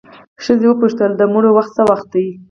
ښځه وپوښتله د مړي وخت څه وخت دی؟